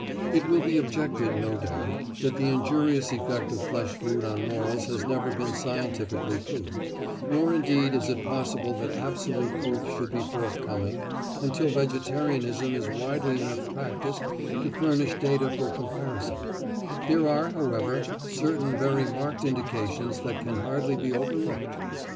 It will be objected, no doubt, that the injurious effect of flesh food on morals has never been scientifically proved, nor indeed is it possible that absolute proof should be forthcoming until vegetarianism is widely enough practised to furnish data for comparison; there are, however, certain very marked indications that can hardly be overlooked.